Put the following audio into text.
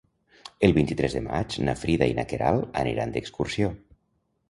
El vint-i-tres de maig na Frida i na Queralt aniran d'excursió.